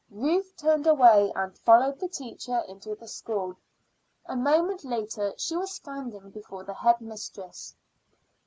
Ruth turned away and followed the teacher into the school. A moment later she was standing before the head mistress.